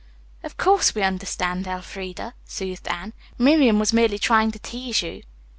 "Of course we understand, Elfreda," soothed Anne. "Miriam was merely trying to tease you."